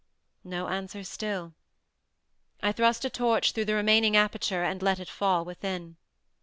No answer still. I thrust a torch through the remaining aperture and let it fall within.